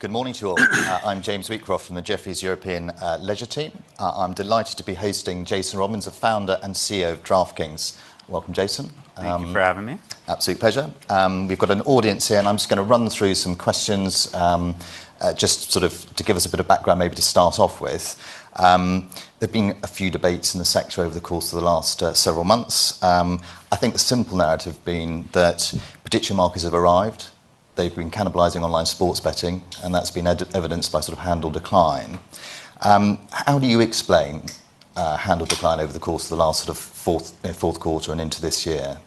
Good morning to you all. I'm James Wheatcroft from the Jefferies European Leisure team. I'm delighted to be hosting Jason Robins, the Founder and CEO of DraftKings. Welcome, Jason. Thank you for having me. Absolute pleasure. We've got an audience here, and I'm just going to run through some questions just to give us a bit of background maybe to start off with. There've been a few debates in the sector over the course of the last several months. I think the simple narrative being that prediction markets have arrived. They've been cannibalizing online sports betting, and that's been evidenced by handle decline. How do you explain handle decline over the course of the last sort of fourth quarter and into this year?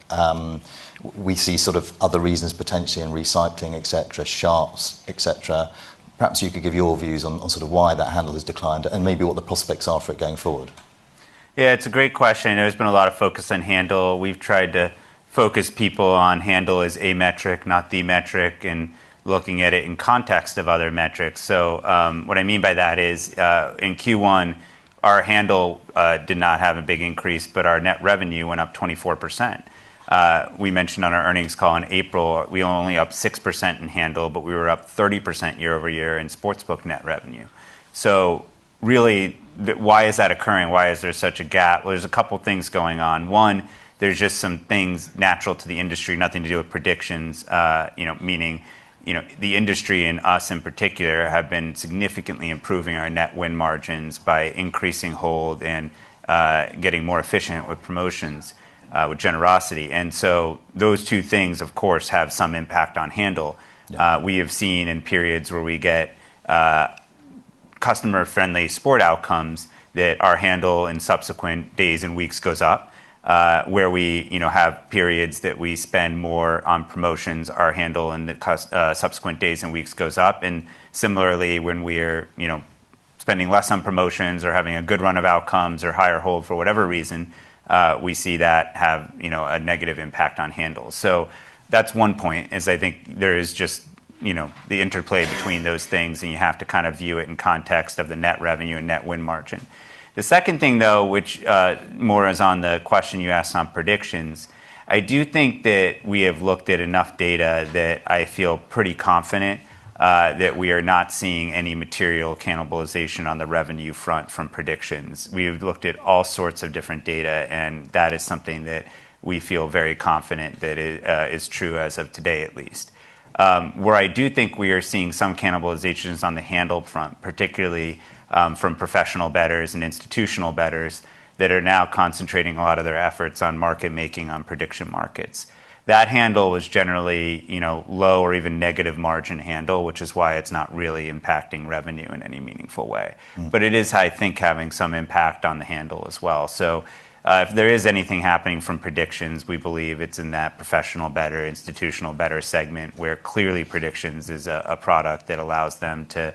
We see other reasons potentially in recycling, et cetera, sharps, et cetera. Perhaps you could give your views on why that handle has declined and maybe what the prospects are for it going forward. Yeah, it's a great question. There's been a lot of focus on handle. We've tried to focus people on handle as a metric, not the metric, and looking at it in context of other metrics. What I mean by that is, in Q1, our handle did not have a big increase, but our net revenue went up 24%. We mentioned on our earnings call in April we were only up 6% in handle, but we were up 30% year-over-year in sportsbook net revenue. Really, why is that occurring? Why is there such a gap? There's a couple things going on. One, there's just some things natural to the industry, nothing to do with predictions. Meaning, the industry and us in particular, have been significantly improving our net win margins by increasing hold and getting more efficient with promotions, with generosity. Those two things, of course, have some impact on handle. Yeah. We have seen in periods where we get customer-friendly sport outcomes that our handle in subsequent days and weeks goes up. Where we have periods that we spend more on promotions, our handle in the subsequent days and weeks goes up. Similarly, when we're spending less on promotions or having a good run of outcomes or higher hold for whatever reason, we see that have a negative impact on handle. That's one point is I think there is just the interplay between those things, and you have to kind of view it in context of the net revenue and net win margin. The second thing, though, which more is on the question you asked on predictions, I do think that we have looked at enough data that I feel pretty confident that we are not seeing any material cannibalization on the revenue front from predictions. We have looked at all sorts of different data, that is something that we feel very confident that is true as of today at least. Where I do think we are seeing some cannibalization is on the handle front, particularly from professional bettors and institutional bettors that are now concentrating a lot of their efforts on market making on prediction markets. That handle is generally low or even negative margin handle, which is why it's not really impacting revenue in any meaningful way. It is, I think, having some impact on the handle as well. If there is anything happening from predictions, we believe it's in that professional bettor, institutional bettor segment, where clearly predictions is a product that allows them to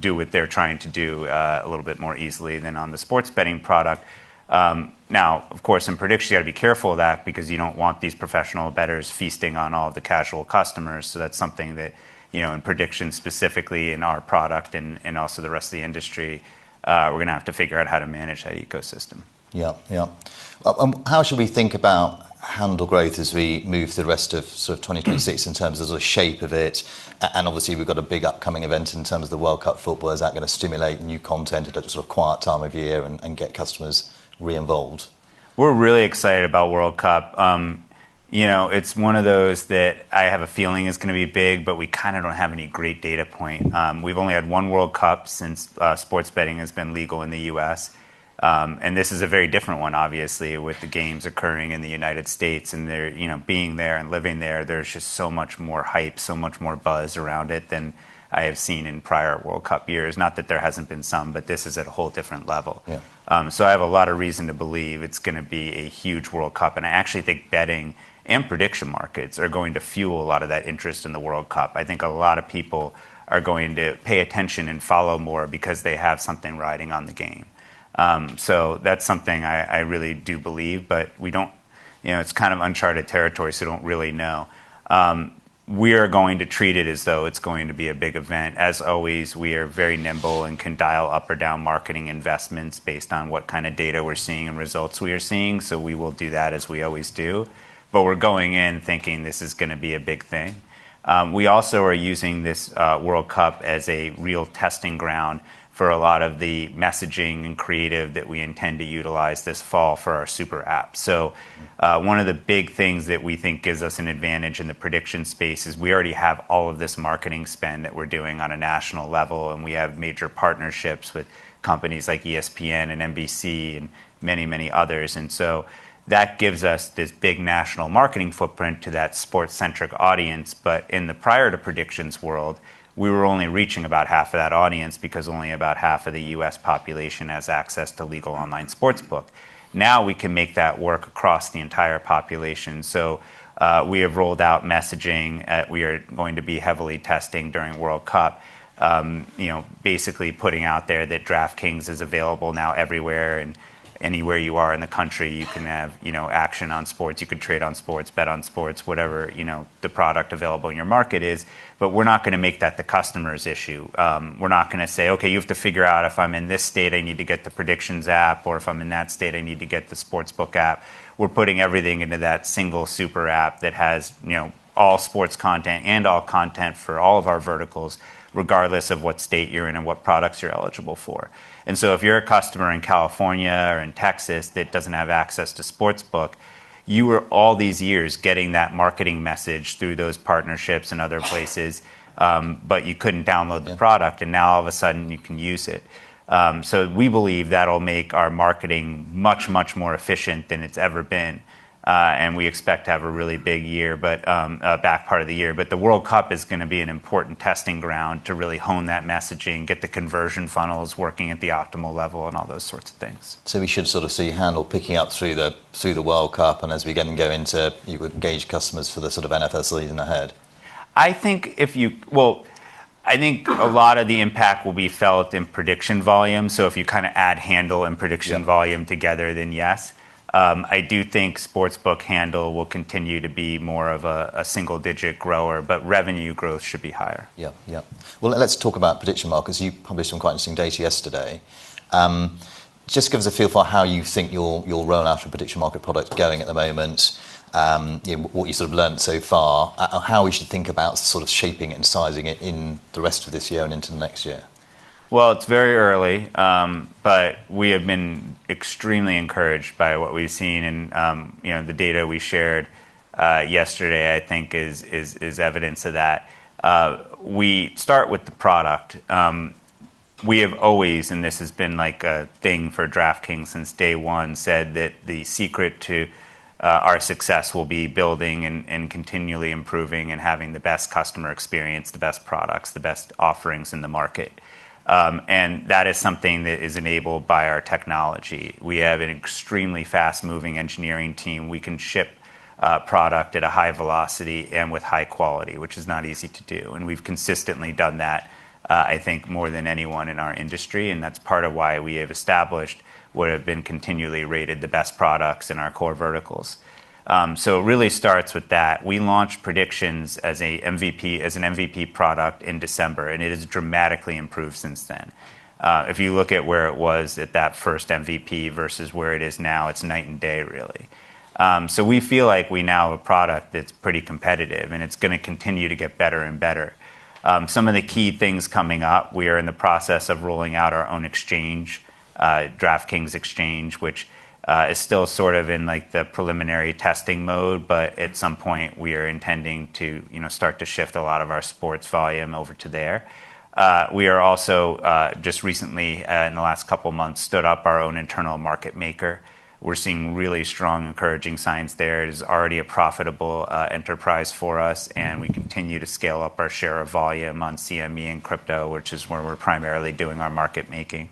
do what they're trying to do a little bit more easily than on the sports betting product. Now, of course, in predictions, you got to be careful of that because you don't want these professional bettors feasting on all of the casual customers. That's something that in predictions, specifically in our product and also the rest of the industry, we're going to have to figure out how to manage that ecosystem. Yeah. How should we think about handle growth as we move through the rest of 2026 in terms of the shape of it? Obviously, we've got a big upcoming event in terms of the World Cup football. Is that going to stimulate new content at a sort of quiet time of year and get customers re-involved? We're really excited about World Cup. It's one of those that I have a feeling is going to be big, but we kind of don't have any great data point. We've only had one World Cup since sports betting has been legal in the U.S. This is a very different one, obviously, with the games occurring in the United States and being there and living there's just so much more hype, so much more buzz around it than I have seen in prior World Cup years. Not that there hasn't been some, but this is at a whole different level. Yeah. I have a lot of reason to believe it's going to be a huge World Cup, and I actually think betting and prediction markets are going to fuel a lot of that interest in the World Cup. I think a lot of people are going to pay attention and follow more because they have something riding on the game. That's something I really do believe, but it's kind of uncharted territory, so don't really know. We are going to treat it as though it's going to be a big event. As always, we are very nimble and can dial up or down marketing investments based on what kind of data we're seeing and results we are seeing. We will do that as we always do. We're going in thinking this is going to be a big thing. We also are using this World Cup as a real testing ground for a lot of the messaging and creative that we intend to utilize this fall for our super app. One of the big things that we think gives us an advantage in the prediction space is we already have all of this marketing spend that we're doing on a national level, and we have major partnerships with companies like ESPN and NBC and many others. That gives us this big national marketing footprint to that sports-centric audience. In the prior to predictions world, we were only reaching about half of that audience because only about half of the U.S. population has access to legal online sportsbook. Now we can make that work across the entire population. We have rolled out messaging we are going to be heavily testing during World Cup. Putting out there that DraftKings is available now everywhere and anywhere you are in the country, you can have action on sports, you can trade on sports, bet on sports, whatever the product available in your market is. We're not going to make that the customer's issue. We're not going to say, "Okay, you have to figure out if I'm in this state, I need to get the predictions app," or "If I'm in that state, I need to get the sportsbook app." We're putting everything into that single super app that has all sports content and all content for all of our verticals, regardless of what state you're in and what products you're eligible for. If you're a customer in California or in Texas that doesn't have access to sportsbook, you were all these years getting that marketing message through those partnerships and other places, but you couldn't download the product, and now all of a sudden you can use it. We believe that'll make our marketing much more efficient than it's ever been. We expect to have a really big year, a back part of the year. The World Cup is going to be an important testing ground to really hone that messaging, get the conversion funnels working at the optimal level, and all those sorts of things. We should sort of see handle picking up through the World Cup and as we then go into engaged customers for the sort of NFL season ahead? I think a lot of the impact will be felt in prediction volume. Yeah volume together. Yes, I do think sportsbook handle will continue to be more of a single-digit grower, but revenue growth should be higher. Yeah. Well, let's talk about prediction markets. You published some quite interesting data yesterday. Just give us a feel for how you think your rollout for prediction market product is going at the moment, what you've learned so far, how we should think about sort of shaping it and sizing it in the rest of this year and into next year. Well, it's very early, we have been extremely encouraged by what we've seen, and the data we shared yesterday, I think is evidence of that. We start with the product. We have always, and this has been like a thing for DraftKings since day one, said that the secret to our success will be building and continually improving and having the best customer experience, the best products, the best offerings in the market. That is something that is enabled by our technology. We have an extremely fast-moving engineering team. We can ship a product at a high velocity and with high quality, which is not easy to do. We've consistently done that, I think more than anyone in our industry, and that's part of why we have established what have been continually rated the best products in our core verticals. It really starts with that. We launched predictions as an MVP product in December, it has dramatically improved since then. If you look at where it was at that first MVP versus where it is now, it's night and day, really. We feel like we now have a product that's pretty competitive, and it's going to continue to get better and better. Some of the key things coming up, we are in the process of rolling out our own exchange, DraftKings Exchange, which is still sort of in the preliminary testing mode. At some point, we are intending to start to shift a lot of our sports volume over to there. We are also just recently, in the last couple of months, stood up our own internal market-maker. We're seeing really strong, encouraging signs there. It is already a profitable enterprise for us. We continue to scale up our share of volume on CME and crypto, which is where we're primarily doing our market-making.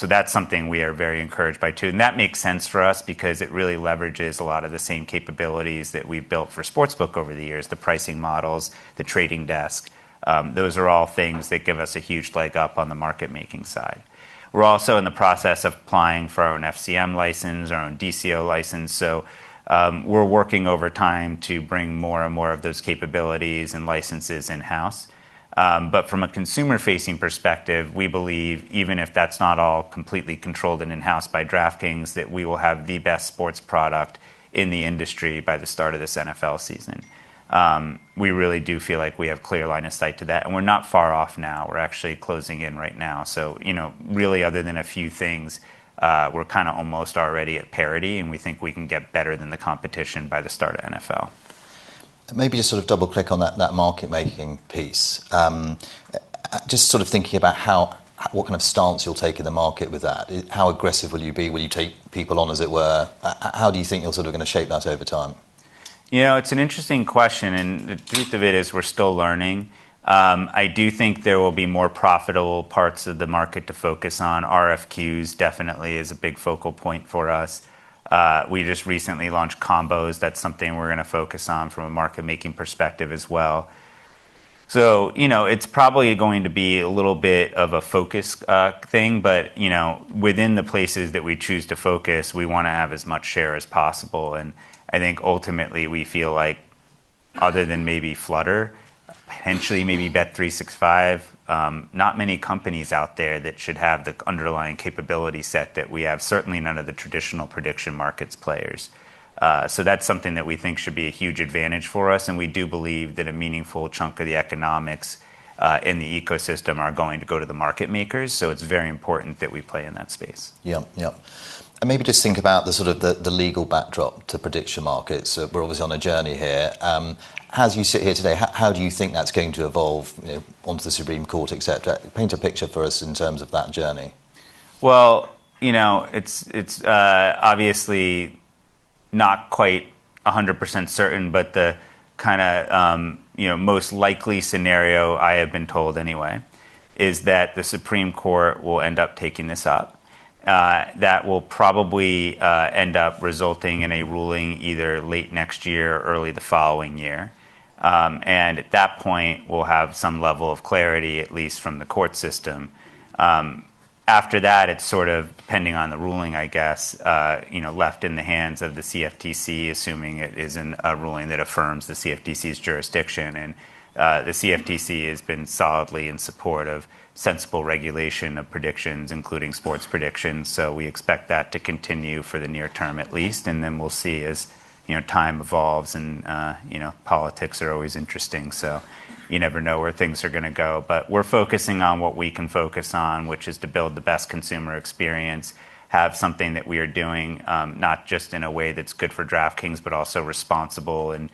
That's something we are very encouraged by, too. That makes sense for us because it really leverages a lot of the same capabilities that we've built for Sportsbook over the years, the pricing models, the trading desk. Those are all things that give us a huge leg up on the market-making side. We're also in the process of applying for our own FCM license, our own DCO license. We're working over time to bring more and more of those capabilities and licenses in-house. From a consumer-facing perspective, we believe, even if that's not all completely controlled and in-house by DraftKings, that we will have the best sports product in the industry by the start of this NFL season. We really do feel like we have clear line of sight to that. We're not far off now. We're actually closing in right now. Really other than a few things, we're kind of almost already at parity. We think we can get better than the competition by the start of NFL. Maybe just sort of double-click on that market-making piece. Just sort of thinking about what kind of stance you'll take in the market with that. How aggressive will you be? Will you take people on, as it were? How do you think you're sort of going to shape that over time? It's an interesting question. The truth of it is we're still learning. I do think there will be more profitable parts of the market to focus on. RFQs definitely is a big focal point for us. We just recently launched Combos. That's something we're going to focus on from a market-making perspective as well. It's probably going to be a little bit of a focus thing. Within the places that we choose to focus, we want to have as much share as possible. I think ultimately we feel like other than maybe Flutter, potentially maybe bet365, not many companies out there that should have the underlying capability set that we have, certainly none of the traditional prediction markets players. That's something that we think should be a huge advantage for us, and we do believe that a meaningful chunk of the economics in the ecosystem are going to go to the market makers. It's very important that we play in that space. Yep. Maybe just think about the sort of the legal backdrop to prediction markets. We're obviously on a journey here. As you sit here today, how do you think that's going to evolve onto the Supreme Court, et cetera? Paint a picture for us in terms of that journey. Well, it's obviously not quite 100% certain, but the kind of most likely scenario I have been told anyway is that the Supreme Court will end up taking this up. That will probably end up resulting in a ruling either late next year or early the following year. At that point, we'll have some level of clarity, at least from the court system. After that, it's sort of depending on the ruling, I guess, left in the hands of the CFTC, assuming it isn't a ruling that affirms the CFTC's jurisdiction. The CFTC has been solidly in support of sensible regulation of predictions, including sports predictions. We expect that to continue for the near term at least, and then we'll see as time evolves and politics are always interesting, so you never know where things are going to go. We're focusing on what we can focus on, which is to build the best consumer experience, have something that we are doing, not just in a way that's good for DraftKings, but also responsible and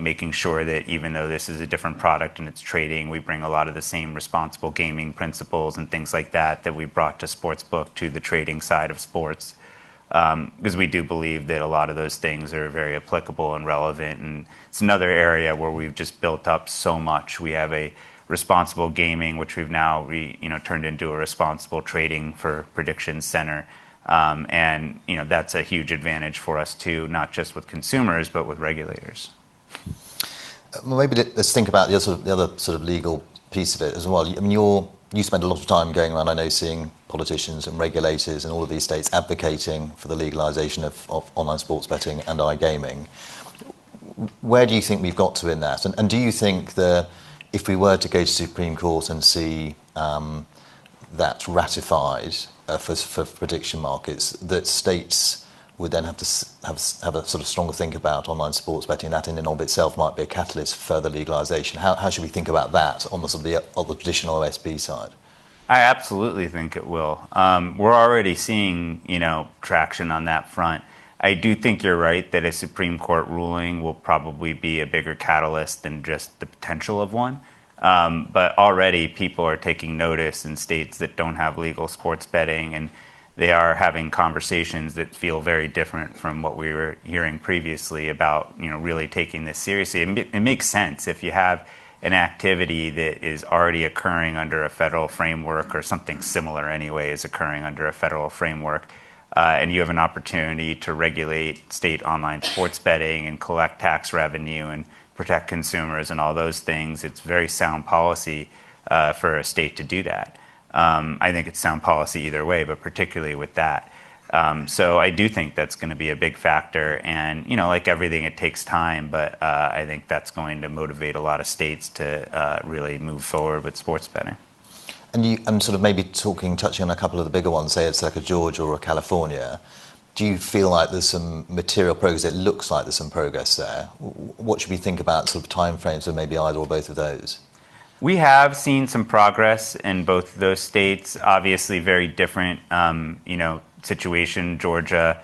making sure that even though this is a different product and it's trading, we bring a lot of the same Responsible Gaming principles and things like that we've brought to Sportsbook to the trading side of sports. We do believe that a lot of those things are very applicable and relevant, and it's another area where we've just built up so much. We have a Responsible Gaming, which we've now turned into a Responsible Trading for Prediction Center, and that's a huge advantage for us, too, not just with consumers, but with regulators. Let's think about the other sort of legal piece of it as well. You spend a lot of time going around, I know, seeing politicians and regulators in all of these states advocating for the legalization of online sports betting and iGaming. Where do you think we've got to in that? Do you think that if we were to go to the Supreme Court and see that ratified for prediction markets, that states would then have to have a sort of stronger think about online sports betting, that in and of itself might be a catalyst for further legalization? How should we think about that on the sort of traditional SB side? I absolutely think it will. We're already seeing traction on that front. I do think you're right that a Supreme Court ruling will probably be a bigger catalyst than just the potential of one. Already people are taking notice in states that don't have legal sports betting, and they are having conversations that feel very different from what we were hearing previously about really taking this seriously. It makes sense if you have an activity that is already occurring under a federal framework or something similar anyway is occurring under a federal framework, and you have an opportunity to regulate state online sports betting and collect tax revenue and protect consumers and all those things, it's very sound policy for a state to do that. I think it's sound policy either way, but particularly with that. I do think that's going to be a big factor and like everything, it takes time, but I think that's going to motivate a lot of states to really move forward with sports betting. Sort of maybe talking, touching on a couple of the bigger ones, say it's like a Georgia or a California, do you feel like there's some material progress? It looks like there's some progress there. What should we think about sort of timeframes for maybe either or both of those? We have seen some progress in both of those states, obviously a very different situation. Georgia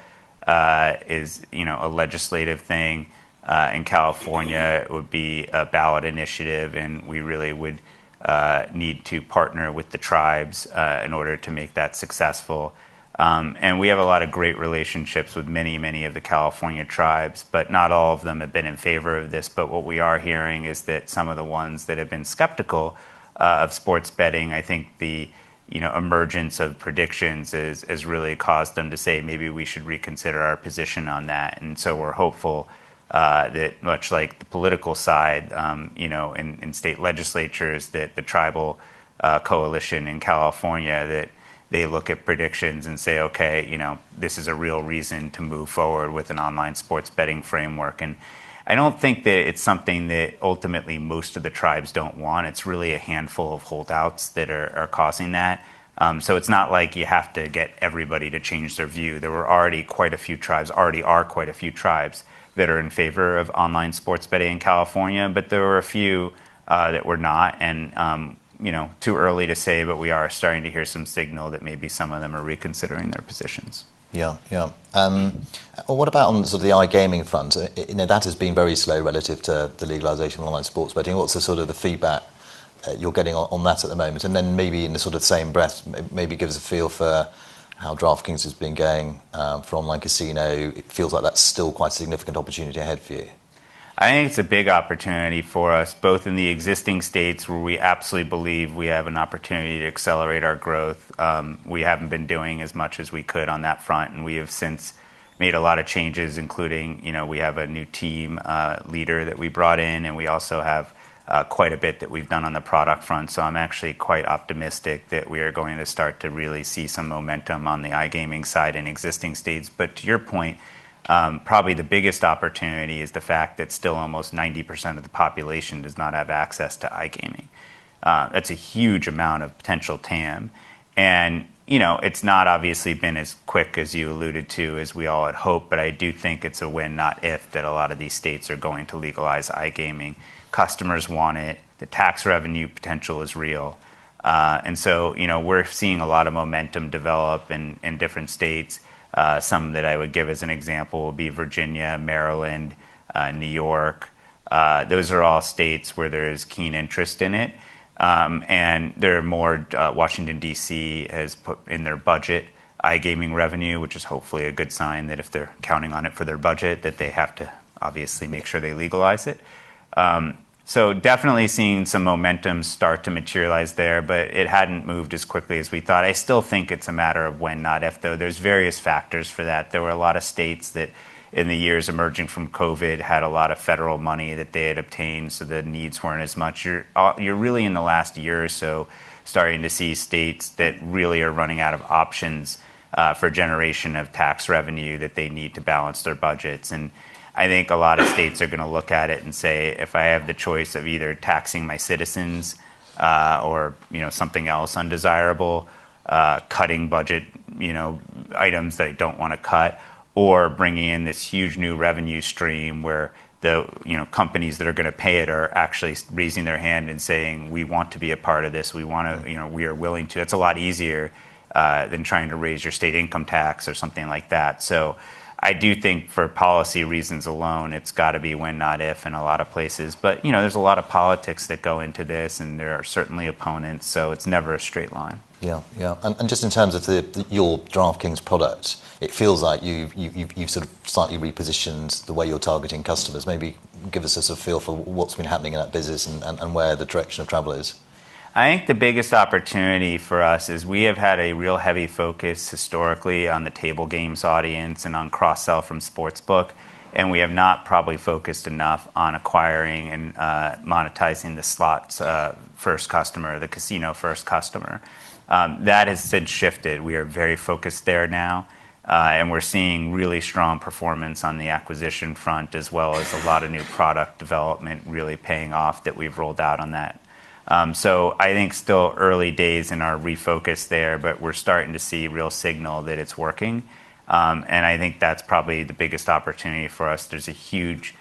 is a legislative thing, California would be a ballot initiative, and we really would need to partner with the tribes in order to make that successful. We have a lot of great relationships with many of the California tribes, but not all of them have been in favor of this. What we are hearing is that some of the ones that have been skeptical of sports betting, I think the emergence of Predictions has really caused them to say, "Maybe we should reconsider our position on that." We're hopeful that much like the political side in state legislatures, that the tribal coalition in California, that they look at Predictions and say, "Okay, this is a real reason to move forward with an online sports betting framework." I don't think that it's something that ultimately most of the tribes don't want. It's really a handful of holdouts that are causing that. It's not like you have to get everybody to change their view. There are already quite a few tribes that are in favor of online sports betting in California, but there are a few that were not. Too early to say, but we are starting to hear some signal that maybe some of them are reconsidering their positions. Yeah. What about on the sort of iGaming front? That has been very slow relative to the legalization of online sports betting. What's the sort of the feedback that you're getting on that at the moment? Maybe in the sort of same breath, maybe give us a feel for how DraftKings has been going for online casino. It feels like that's still quite a significant opportunity ahead for you. I think it's a big opportunity for us, both in the existing states where we absolutely believe we have an opportunity to accelerate our growth. We haven't been doing as much as we could on that front, and we have since made a lot of changes, including we have a new team leader that we brought in, and we also have quite a bit that we've done on the product front. I'm actually quite optimistic that we are going to start to really see some momentum on the iGaming side in existing states. To your point, probably the biggest opportunity is the fact that still almost 90% of the population does not have access to iGaming. That's a huge amount of potential TAM. It's not obviously been as quick as you alluded to as we all had hoped, but I do think it's a when, not if, that a lot of these states are going to legalize iGaming. Customers want it. The tax revenue potential is real. We're seeing a lot of momentum develop in different states. Some that I would give as an example would be Virginia, Maryland, New York. Those are all states where there is keen interest in it. They're more, Washington, D.C. has put in their budget iGaming revenue, which is hopefully a good sign that if they're counting on it for their budget, that they have to obviously make sure they legalize it. Definitely seeing some momentum start to materialize there, but it hadn't moved as quickly as we thought. I still think it's a matter of when, not if, though. There's various factors for that. There were a lot of states that in the years emerging from COVID had a lot of federal money that they had obtained, so the needs weren't as much. You're really in the last year or so starting to see states that really are running out of options for generation of tax revenue that they need to balance their budgets. I think a lot of states are going to look at it and say, "If I have the choice of either taxing my citizens or something else undesirable, cutting budget items that I don't want to cut or bringing in this huge new revenue stream where the companies that are going to pay it are actually raising their hand and saying, 'We want to be a part of this. We are willing to.'" It's a lot easier than trying to raise your state income tax or something like that. I do think for policy reasons alone, it's got to be when, not if, in a lot of places. There's a lot of politics that go into this, and there are certainly opponents, so it's never a straight line. Just in terms of your DraftKings product, it feels like you've sort of slightly repositioned the way you're targeting customers. Maybe give us a feel for what's been happening in that business and where the direction of travel is. I think the biggest opportunity for us is we have had a real heavy focus historically on the table games audience and on cross-sell from Sportsbook. We have not probably focused enough on acquiring and monetizing the slots first customer, the casino first customer. That has since shifted. We are very focused there now. We're seeing really strong performance on the acquisition front, as well as a lot of new product development really paying off that we've rolled out on that. I think still early days in our refocus there. We're starting to see real signal that it's working. I think that's probably the biggest opportunity for us. There's a huge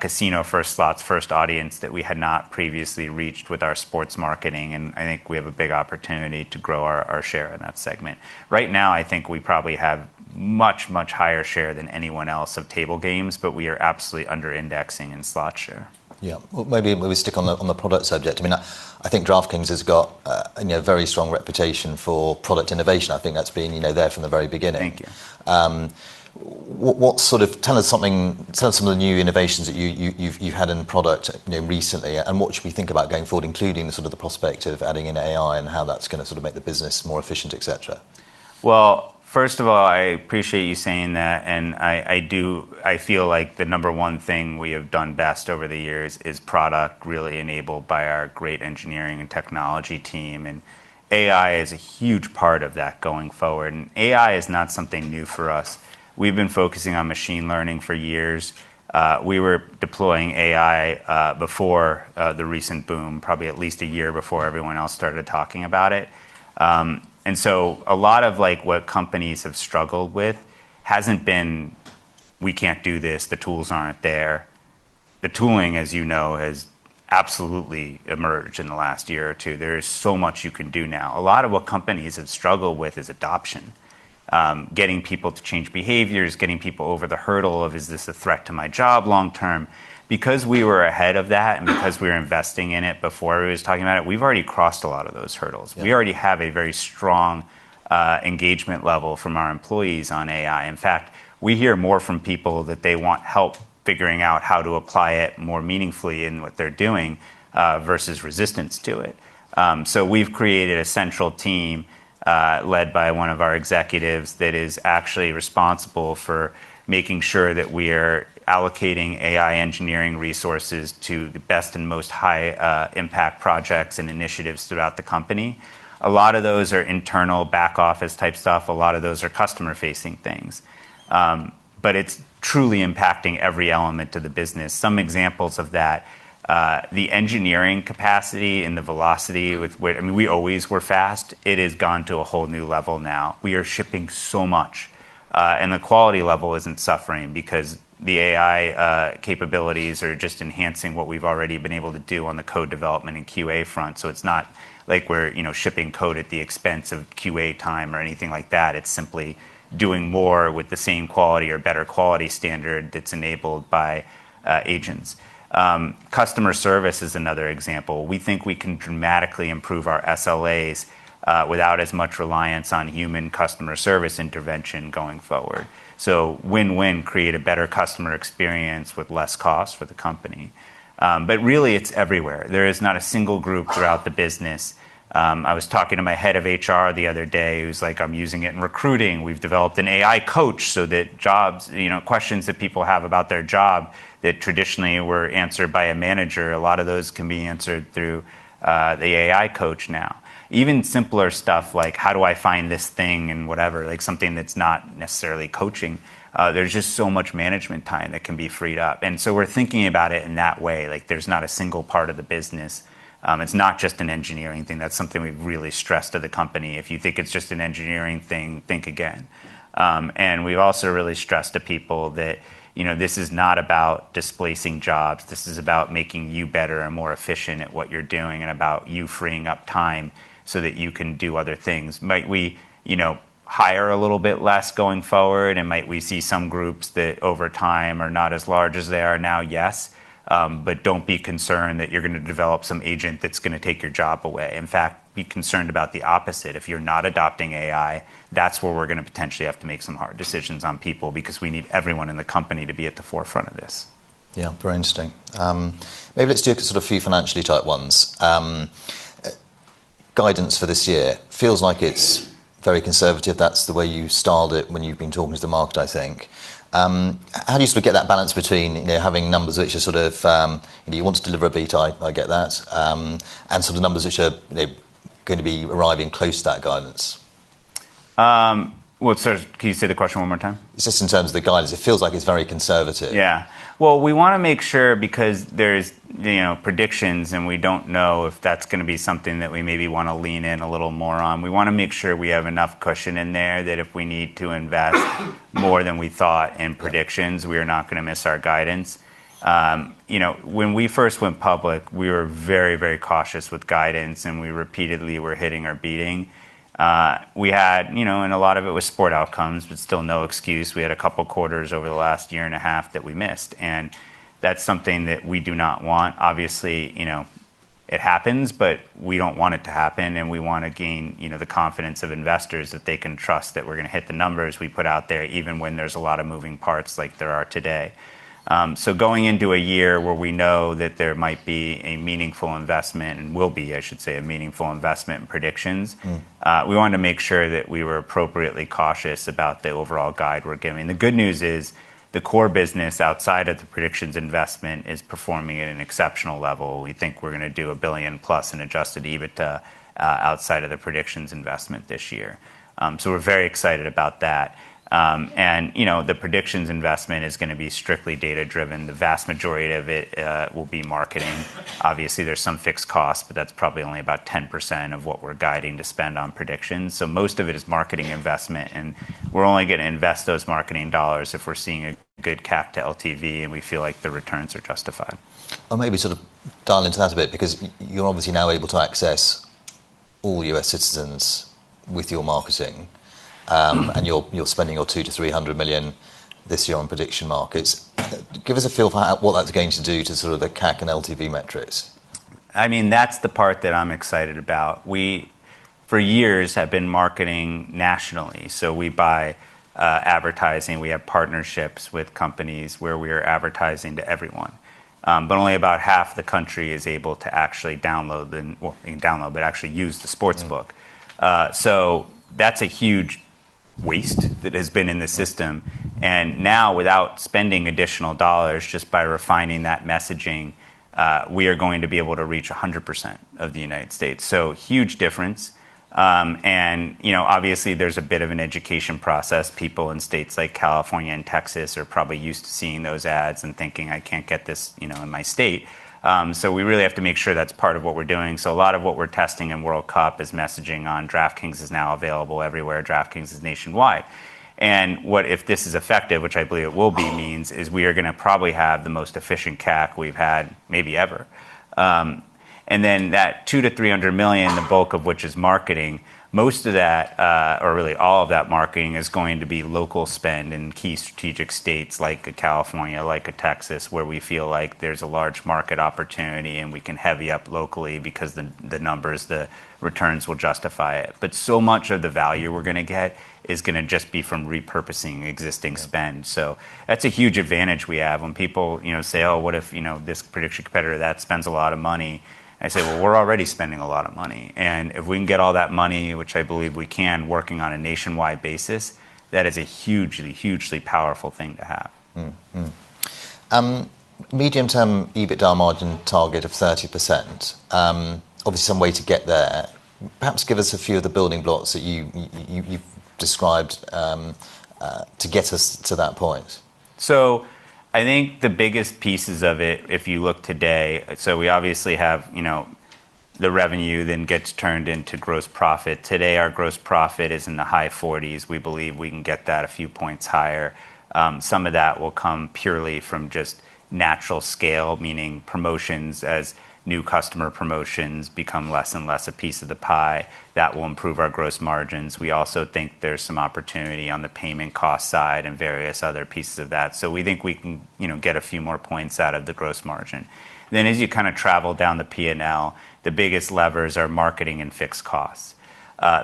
casino first, slots first audience that we had not previously reached with our sports marketing. I think we have a big opportunity to grow our share in that segment. Right now, I think we probably have much, much higher share than anyone else of table games. We are absolutely under-indexing in slots share. Yeah. Well, maybe we stick on the product subject. I think DraftKings has got a very strong reputation for product innovation. I think that's been there from the very beginning. Thank you. Tell us some of the new innovations that you've had in the product recently, and what should we think about going forward, including the prospect of adding in AI and how that's going to sort of make the business more efficient, et cetera? Well, first of all, I appreciate you saying that, and I feel like the number 1 thing we have done best over the years is product really enabled by our great engineering and technology team, and AI is a huge part of that going forward. AI is not something new for us. We've been focusing on machine learning for years. We were deploying AI before the recent boom, probably at least a year before everyone else started talking about it. A lot of like what companies have struggled with hasn't been, "We can't do this. The tools aren't there." The tooling, as you know, has absolutely emerged in the last year or two. There is so much you can do now. A lot of what companies have struggled with is adoption, getting people to change behaviors, getting people over the hurdle of, "Is this a threat to my job long term?" Because we were ahead of that and because we were investing in it before everybody was talking about it, we've already crossed a lot of those hurdles. Yeah. We already have a very strong engagement level from our employees on AI. In fact, we hear more from people that they want help figuring out how to apply it more meaningfully in what they're doing, versus resistance to it. We've created a central team, led by one of our executives, that is actually responsible for making sure that we're allocating AI engineering resources to the best and most high-impact projects and initiatives throughout the company. A lot of those are internal back office type stuff. A lot of those are customer facing things. It's truly impacting every element of the business. Some examples of that, the engineering capacity and the velocity with. We always were fast. It has gone to a whole new level now. We are shipping so much. The quality level isn't suffering because the AI capabilities are just enhancing what we've already been able to do on the code development and QA front. It's not like we're shipping code at the expense of QA time or anything like that. It's simply doing more with the same quality or better quality standard that's enabled by agents. Customer service is another example. We think we can dramatically improve our SLA, without as much reliance on human customer service intervention going forward. Win-win, create a better customer experience with less cost for the company. Really, it's everywhere. There is not a single group throughout the business. I was talking to my head of HR the other day, who's like, "I'm using it in recruiting." We've developed an AI coach so that questions that people have about their job that traditionally were answered by a manager, a lot of those can be answered through the AI coach now. Even simpler stuff like, how do I find this thing and whatever, like something that's not necessarily coaching, there's just so much management time that can be freed up. We're thinking about it in that way, like there's not a single part of the business. It's not just an engineering thing. That's something we've really stressed to the company. If you think it's just an engineering thing, think again. We've also really stressed to people that this is not about displacing jobs. This is about making you better and more efficient at what you're doing and about you freeing up time so that you can do other things. Might we hire a little bit less going forward, and might we see some groups that over time are not as large as they are now? Yes. Don't be concerned that you're going to develop some agent that's going to take your job away. In fact, be concerned about the opposite. If you're not adopting AI, that's where we're going to potentially have to make some hard decisions on people because we need everyone in the company to be at the forefront of this. Yeah. Very interesting. Maybe let's do a sort of few financially tight ones. Guidance for this year feels like it's very conservative. That's the way you styled it when you've been talking to the market, I think. How do you get that balance between having numbers which are, you want to deliver a beat, I get that, and numbers which are going to be arriving close to that guidance? Can you say the question one more time? Just in terms of the guidance, it feels like it's very conservative. Yeah. Well, we want to make sure because there's predictions, and we don't know if that's going to be something that we maybe want to lean in a little more on. We want to make sure we have enough cushion in there that if we need to invest more than we thought in predictions, we are not going to miss our guidance. When we first went public, we were very cautious with guidance, and we repeatedly were hitting or beating. A lot of it was sport outcomes, but still no excuse. We had a couple quarters over the last year and a half that we missed, and that's something that we do not want. It happens, but we don't want it to happen, and we want to gain the confidence of investors that they can trust that we're going to hit the numbers we put out there, even when there's a lot of moving parts like there are today. Going into a year where we know that there might be a meaningful investment, and will be, I should say, a meaningful investment in predictions. We wanted to make sure that we were appropriately cautious about the overall guide we're giving. The good news is the core business outside of the predictions investment is performing at an exceptional level. We think we're going to do a billion-plus in adjusted EBITDA outside of the predictions investment this year. We're very excited about that. The predictions investment is going to be strictly data-driven. The vast majority of it will be marketing. Obviously, there's some fixed costs, but that's probably only about 10% of what we're guiding to spend on predictions. Most of it is marketing investment, and we're only going to invest those marketing dollars if we're seeing a good CAC to LTV and we feel like the returns are justified. Well, maybe sort of dial into that a bit, because you're obviously now able to access all U.S. citizens with your marketing. You're spending your $200 million-$300 million this year on prediction markets. Give us a feel for what that's going to do to sort of the CAC and LTV metrics. That's the part that I'm excited about. We, for years, have been marketing nationally, we buy advertising. We have partnerships with companies where we are advertising to everyone. Only about half the country is able to actually download, but actually use the sports book. That's a huge waste that has been in the system, now without spending additional dollars, just by refining that messaging, we are going to be able to reach 100% of the United States. Huge difference. Obviously there's a bit of an education process. People in states like California and Texas are probably used to seeing those ads and thinking, "I can't get this in my state." We really have to make sure that's part of what we're doing. A lot of what we're testing in World Cup is messaging on DraftKings is now available everywhere. DraftKings is nationwide. What if this is effective, which I believe it will be, means is we are going to probably have the most efficient CAC we've had maybe ever. That $200 million-$300 million, the bulk of which is marketing, most of that, or really all of that marketing, is going to be local spend in key strategic states like a California, like a Texas, where we feel like there's a large market opportunity and we can heavy up locally because the numbers, the returns will justify it. So much of the value we're going to get is going to just be from repurposing existing spend. Yeah. That's a huge advantage we have. When people say, "Oh, what if this prediction competitor that spends a lot of money" I say, "Well, we're already spending a lot of money, if we can get all that money, which I believe we can, working on a nationwide basis, that is a hugely powerful thing to have. Mm-hmm. Medium-term EBITDA margin target of 30%. Obviously some way to get there. Perhaps give us a few of the building blocks that you've described to get us to that point. I think the biggest pieces of it, if you look today, we obviously have the revenue then gets turned into gross profit. Today our gross profit is in the high 40s. We believe we can get that a few points higher. Some of that will come purely from just natural scale, meaning promotions. As new customer promotions become less and less a piece of the pie, that will improve our gross margins. We also think there's some opportunity on the payment cost side and various other pieces of that. We think we can get a few more points out of the gross margin. As you kind of travel down the P&L, the biggest levers are marketing and fixed costs.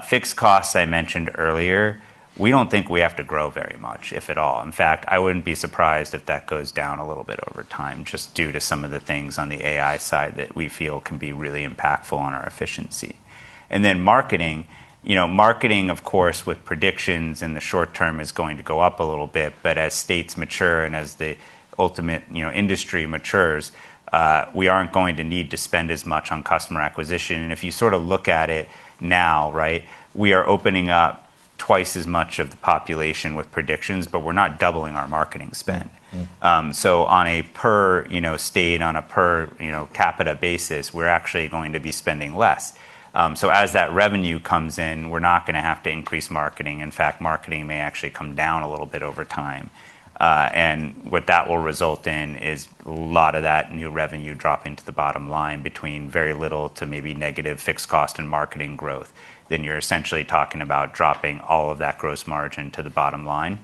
Fixed costs, I mentioned earlier, we don't think we have to grow very much, if at all. In fact, I wouldn't be surprised if that goes down a little bit over time, just due to some of the things on the AI side that we feel can be really impactful on our efficiency. Then marketing. Marketing, of course, with predictions in the short term is going to go up a little bit. As states mature and as the ultimate industry matures, we aren't going to need to spend as much on customer acquisition. If you sort of look at it now, right, we are opening up twice as much of the population with predictions, but we're not doubling our marketing spend. On a per state, on a per capita basis, we're actually going to be spending less. As that revenue comes in, we're not going to have to increase marketing. In fact, marketing may actually come down a little bit over time. What that will result in is a lot of that new revenue dropping to the bottom line between very little to maybe negative fixed cost and marketing growth. You're essentially talking about dropping all of that gross margin to the bottom line.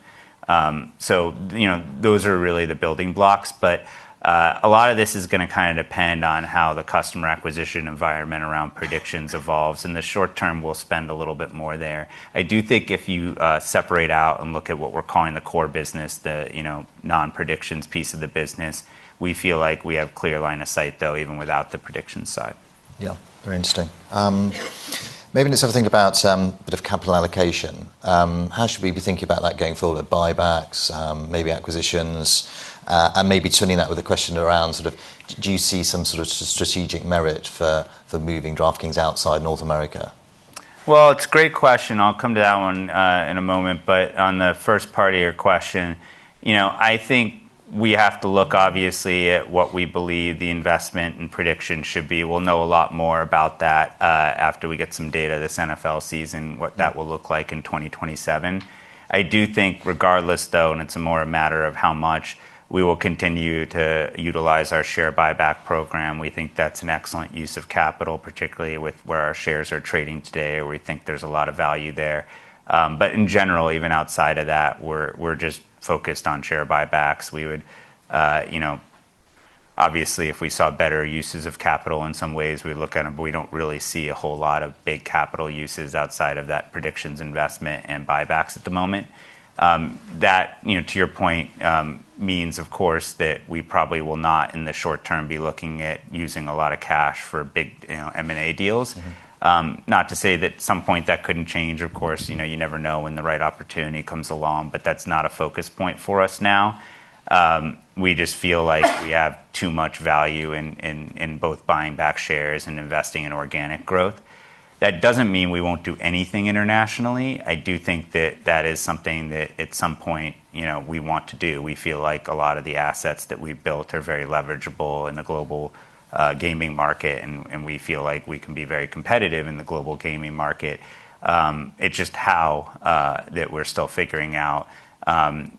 Those are really the building blocks, but a lot of this is going to kind of depend on how the customer acquisition environment around predictions evolves. In the short term, we'll spend a little bit more there. I do think if you separate out and look at what we're calling the core business, the non-predictions piece of the business, we feel like we have clear line of sight, though, even without the predictions side. Yeah. Very interesting. Let's have a think about sort of capital allocation. How should we be thinking about that going forward? Buybacks, maybe acquisitions, and maybe turning that with a question around sort of do you see some sort of strategic merit for moving DraftKings outside North America? Well, it's a great question. I'll come to that one in a moment. On the first part of your question, I think we have to look obviously at what we believe the investment in prediction should be. We'll know a lot more about that after we get some data this NFL season, what that will look like in 2027. I do think regardless, though, and it's more a matter of how much, we will continue to utilize our share buyback program. We think that's an excellent use of capital, particularly with where our shares are trading today. We think there's a lot of value there. In general, even outside of that, we're just focused on share buybacks. We would Obviously, if we saw better uses of capital in some ways, we'd look at them, we don't really see a whole lot of big capital uses outside of that predictions investment and buybacks at the moment. That, to your point, means, of course, that we probably will not, in the short term, be looking at using a lot of cash for big M&A deals. Not to say that at some point that couldn't change, of course. You never know when the right opportunity comes along, but that's not a focus point for us now. We just feel like we have too much value in both buying back shares and investing in organic growth. That doesn't mean we won't do anything internationally. I do think that that is something that at some point, we want to do. We feel like a lot of the assets that we've built are very leverageable in the global gaming market, and we feel like we can be very competitive in the global gaming market. It's just how that we're still figuring out.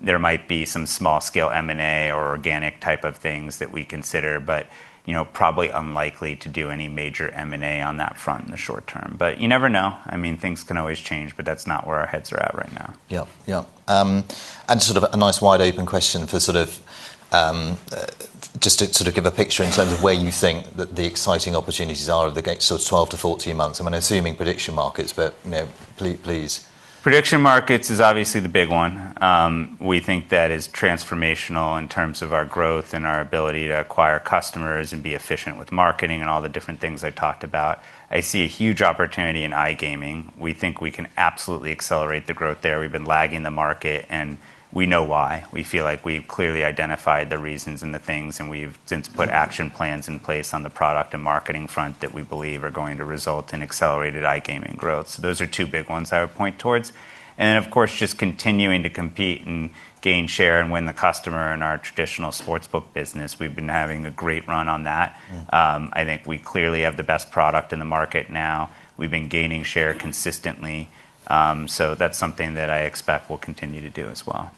There might be some small-scale M&A or organic type of things that we consider, but probably unlikely to do any major M&A on that front in the short term. You never know. Things can always change, but that's not where our heads are at right now. Yep. Sort of a nice wide-open question just to sort of give a picture in terms of where you think the exciting opportunities are over the next sort of 12 to 14 months. I'm assuming prediction markets, please. Prediction markets is obviously the big one. We think that is transformational in terms of our growth and our ability to acquire customers and be efficient with marketing and all the different things I talked about. I see a huge opportunity in iGaming. We think we can absolutely accelerate the growth there. We've been lagging the market, we know why. We feel like we've clearly identified the reasons and the things, we've since put action plans in place on the product and marketing front that we believe are going to result in accelerated iGaming growth. Those are two big ones I would point towards. Then, of course, just continuing to compete and gain share and win the customer in our traditional sportsbook business. We've been having a great run on that. I think we clearly have the best product in the market now. We've been gaining share consistently, so that's something that I expect we'll continue to do as well.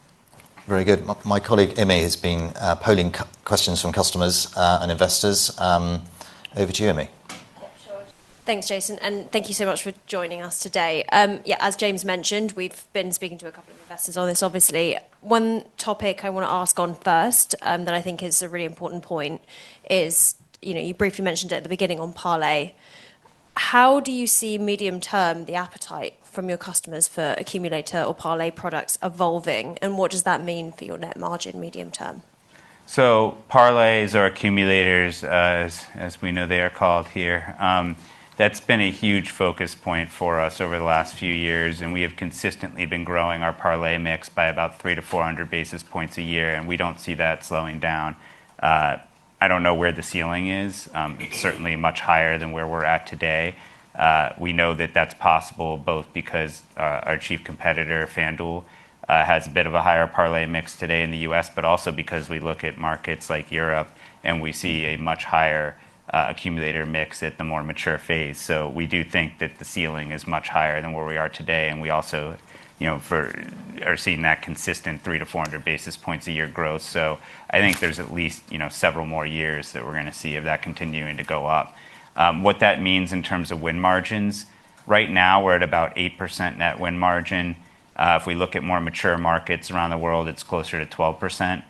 Very good. My colleague, Emmy, has been polling questions from customers and investors. Over to you, Emmy. Sure. Thanks, Jason, and thank you so much for joining us today. As James mentioned, we've been speaking to a couple of investors on this, obviously. One topic I want to ask on first that I think is a really important point is, you briefly mentioned it at the beginning on parlay, how do you see medium-term, the appetite from your customers for accumulator or parlay products evolving, and what does that mean for your net margin medium term? Parlays or accumulators, as we know they are called here, that's been a huge focus point for us over the last few years, and we have consistently been growing our parlay mix by about 300-400 basis points a year, and we don't see that slowing down. I don't know where the ceiling is. It's certainly much higher than where we're at today. We know that that's possible both because our chief competitor, FanDuel, has a bit of a higher parlay mix today in the U.S., but also because we look at markets like Europe, and we see a much higher accumulator mix at the more mature phase. We do think that the ceiling is much higher than where we are today, and we also are seeing that consistent 300-400 basis points a year growth. I think there's at least several more years that we're going to see of that continuing to go up. What that means in terms of win margins, right now, we're at about 8% net win margin. If we look at more mature markets around the world, it's closer to 12%.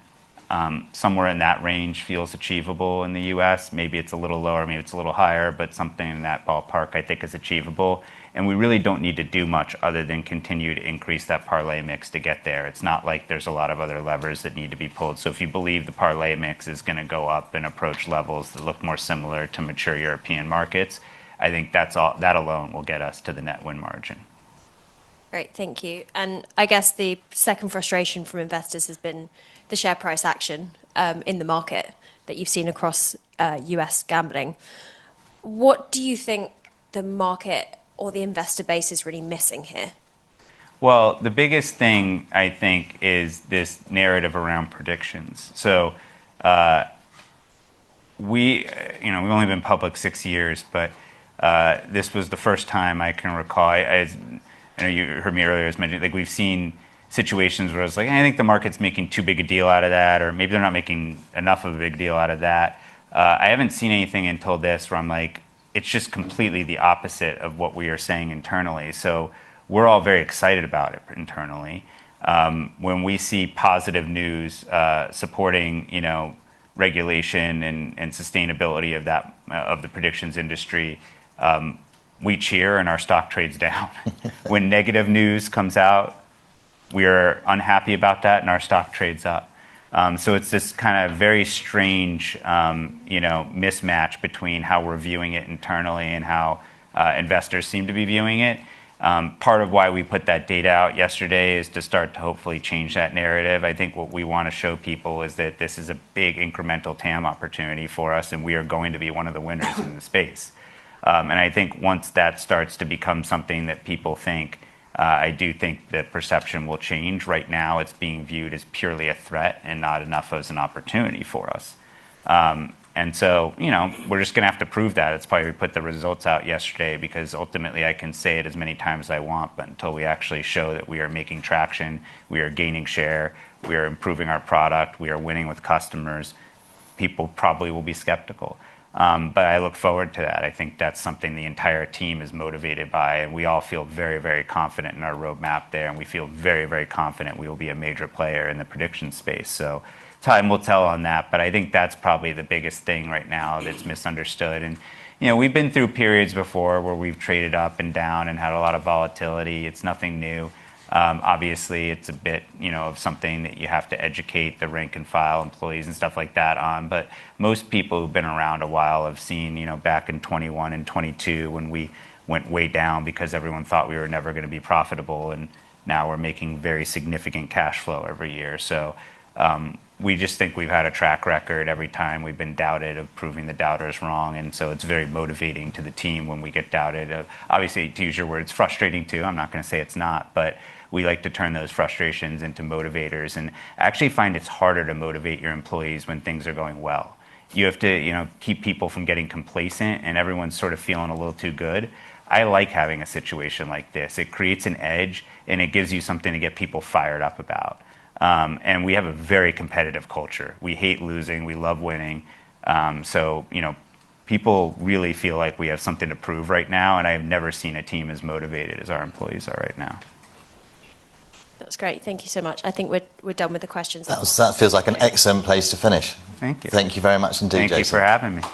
Somewhere in that range feels achievable in the U.S. Maybe it's a little lower, maybe it's a little higher, but something in that ballpark I think is achievable, and we really don't need to do much other than continue to increase that parlay mix to get there. It's not like there's a lot of other levers that need to be pulled. If you believe the parlay mix is going to go up and approach levels that look more similar to mature European markets, I think that alone will get us to the net win margin. Great. Thank you. I guess the second frustration from investors has been the share price action in the market that you've seen across U.S. gambling. What do you think the market or the investor base is really missing here? Well, the biggest thing, I think, is this narrative around predictions. We've only been public six years, but this was the first time I can recall. I know you heard me earlier as mentioning, we've seen situations where it's like, "I think the market's making too big a deal out of that," or, "Maybe they're not making enough of a big deal out of that." I haven't seen anything until this where I'm like, it's just completely the opposite of what we are saying internally. We're all very excited about it internally. When we see positive news supporting regulation and sustainability of the predictions industry, we cheer and our stock trades down. When negative news comes out, we are unhappy about that and our stock trades up. It's this kind of very strange mismatch between how we're viewing it internally and how investors seem to be viewing it. Part of why we put that data out yesterday is to start to hopefully change that narrative. I think what we want to show people is that this is a big incremental TAM opportunity for us, we are going to be one of the winners in the space. I think once that starts to become something that people think, I do think that perception will change. Right now, it's being viewed as purely a threat and not enough as an opportunity for us. We're just going to have to prove that. It's why we put the results out yesterday, because ultimately, I can say it as many times as I want, but until we actually show that we are making traction, we are gaining share, we are improving our product, we are winning with customers, people probably will be skeptical. I look forward to that. I think that's something the entire team is motivated by, and we all feel very, very confident in our roadmap there, and we feel very, very confident we will be a major player in the prediction space. Time will tell on that, but I think that's probably the biggest thing right now that's misunderstood. We've been through periods before where we've traded up and down and had a lot of volatility. It's nothing new. Obviously, it's a bit of something that you have to educate the rank-and-file employees and stuff like that on. Most people who've been around a while have seen, back in 2021 and 2022, when we went way down because everyone thought we were never going to be profitable, and now we're making very significant cash flow every year. We just think we've had a track record every time we've been doubted of proving the doubters wrong, it's very motivating to the team when we get doubted. Obviously, to use your words, frustrating, too. I'm not going to say it's not, but we like to turn those frustrations into motivators and actually find it's harder to motivate your employees when things are going well. You have to keep people from getting complacent and everyone sort of feeling a little too good. I like having a situation like this. It creates an edge, and it gives you something to get people fired up about. We have a very competitive culture. We hate losing. We love winning. People really feel like we have something to prove right now, and I have never seen a team as motivated as our employees are right now. That's great. Thank you so much. I think we're done with the questions. That feels like an excellent place to finish. Thank you. Thank you very much indeed, Jason. Thank you for having me.